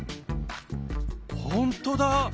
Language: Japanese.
ほんとだ！